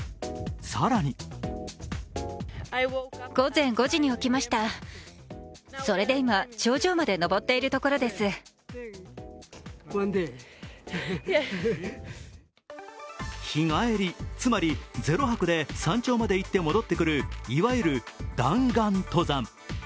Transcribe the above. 更に日帰り、つまり０泊で山頂まで行って戻ってくるいわゆる弾丸登山。